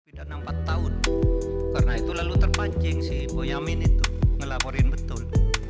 tidak nampak tahun karena itu lalu terpacing si ibu yamin itu ngelaporin betul